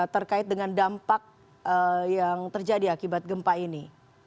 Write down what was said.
terkait dengan dampak yang terjadi akibat gempa ini